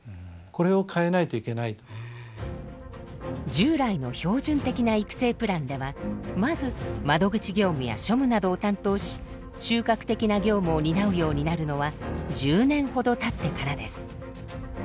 従来の標準的な育成プランではまず窓口業務や庶務などを担当し中核的な業務を担うようになるのは１０年ほどたってからです。